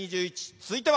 続いては。